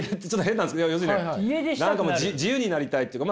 自由になりたいっていうか。